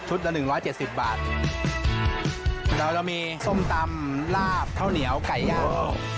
ชุดละหนึ่งร้อยเจ็ดสิบบาทแล้วเรามีส้มตำลาบเข้าเหนียวไก่ยาว